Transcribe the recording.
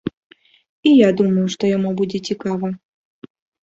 І я думаю, што яму будзе цікава.